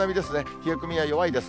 冷え込みは弱いです。